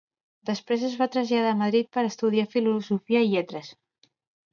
Després es va traslladar a Madrid per a estudiar Filosofia i Lletres.